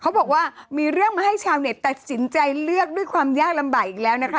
บอกว่ามีเรื่องมาให้ชาวเน็ตตัดสินใจเลือกด้วยความยากลำบากอีกแล้วนะคะ